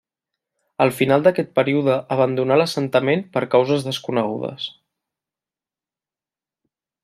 Al final d'aquest període s'abandonà l'assentament per causes desconegudes.